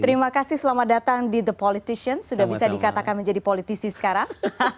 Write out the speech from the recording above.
terima kasih selamat datang di the politician sudah bisa dikatakan menjadi politisi sekarang